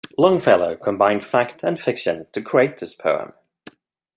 Longfellow combined fact and fiction to create this poem.